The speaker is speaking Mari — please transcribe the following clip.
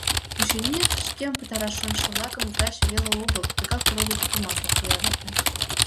Очыни, шкем пытараш шонышо-влакым врач веле огыл, тыгак родо-тукымат ок йӧрате.